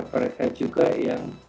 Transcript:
mereka juga yang